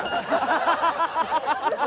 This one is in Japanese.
ハハハハ！